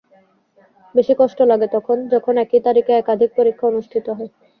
বেশি কষ্ট লাগে তখন, যখন একই তারিখে একাধিক পরীক্ষা অনুষ্ঠিত হয়।